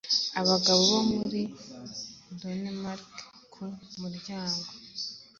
Abagabo bo muri Danemark Ku muryango